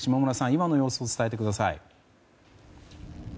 今の様子を伝えてください。